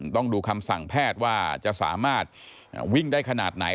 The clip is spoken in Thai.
ต้องดูคำสั่งแพทย์ว่าจะสามารถวิ่งได้ขนาดไหน